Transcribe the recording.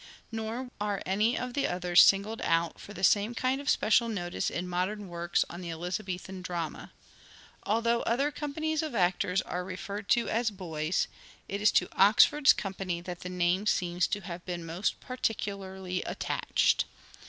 Nor are any of the others singled out for the same kind of special notice in modern works on the Elizabethan drama. Although other companies of actors are referred to as " Boys," it is to Oxford's company that the name seems to have been most particularly attached.